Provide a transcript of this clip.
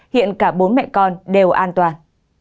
hiện cả bốn mẹ con đều an toàn